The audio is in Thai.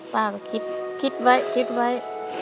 ป้าก็คิดคิดไว้คิดไว้